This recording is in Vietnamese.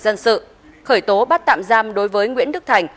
dân sự khởi tố bắt tạm giam đối với nguyễn đức thành